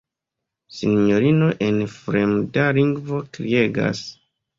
Sinjorino en fremda lingvo kriegas.